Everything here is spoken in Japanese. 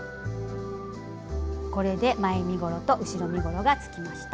これで前身ごろと後ろ身ごろがつきました。